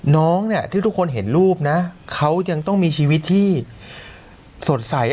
น้องเนี่ยที่ทุกคนเห็นรูปนะเขายังต้องมีชีวิตที่สดใส